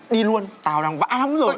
đi luôn tao đang vã lắm rồi